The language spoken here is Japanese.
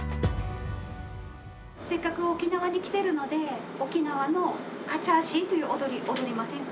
せっかく沖縄に来てるので沖縄のカチャーシーという踊り踊りませんか？